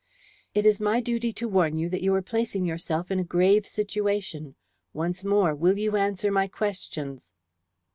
"It is my duty to warn you that you are placing yourself in a grave situation. Once more, will you answer my questions?"